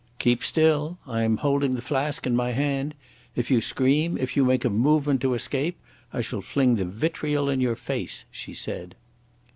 "Keep still. I am holding the flask in my hand. If you scream, if you make a movement to escape, I shall fling the vitriol in your face," she said.